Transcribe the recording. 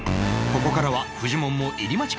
ここからはフジモンも入り待ち